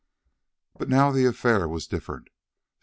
But now the affair was different.